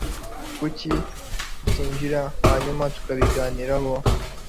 kuki utinjira hanyuma tukabiganiraho